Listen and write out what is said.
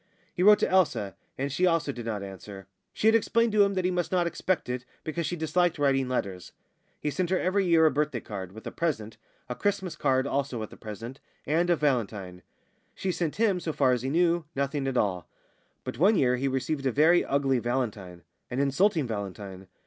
He wrote to Elsa, and she also did not answer she had explained to him that he must not expect it, because she disliked writing letters. He sent her every year a birthday card (with a present), a Christmas card (also with a present), and a valentine. She sent him, so far as he knew, nothing at all; but one year he received a very ugly valentine, an insulting valentine.